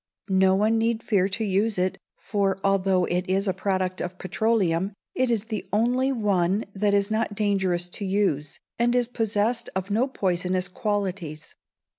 No one need fear to use it, for although it is a product of petroleum, it is the only one that is not dangerous to use, and is possessed of no poisonous qualities.